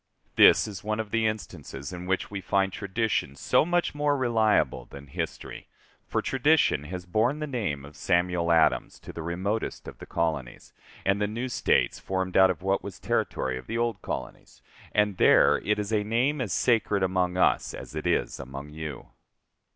This is one of the instances in which we find tradition so much more reliable than history; for tradition has borne the name of Samuel Adams to the remotest of the colonies, and the new States formed out of what was territory of the old colonies; and there it is a name as sacred among us as it is among you.